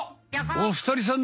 おふたりさん